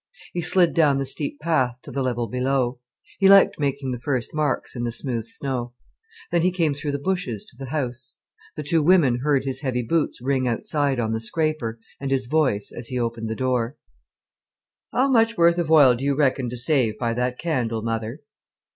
He slid down the steep path to the level below. He liked making the first marks in the smooth snow. Then he came through the bushes to the house. The two women heard his heavy boots ring outside on the scraper, and his voice as he opened the door: "How much worth of oil do you reckon to save by that candle, mother?"